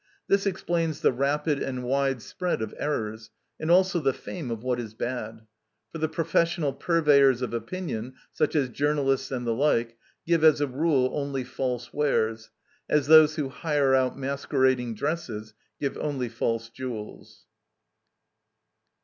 This explains the rapid and wide spread of errors, and also the fame of what is bad; for the professional purveyors of opinion, such as journalists and the like, give as a rule only false wares, as those who hire out masquerading dresses give only false jewels.